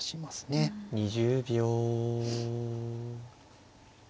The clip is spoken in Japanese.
２０秒。